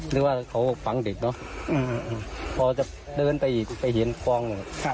ท่อว่าเขาฟังเด็กเนอะพอจะเดินไปเห็นของ